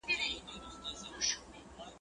د يوسف عليه السلام ماشومتوب د ناز وړ وو.